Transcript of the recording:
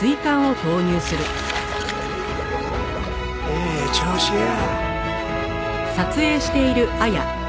ええ調子や。